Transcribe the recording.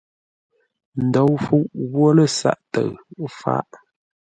Ndou fuʼ ghwo lə́ sáʼ təʉ fáʼ.